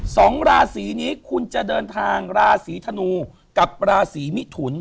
สองราศีนี้คุณจะเดินทางราศีธนูกับราศีมิถุน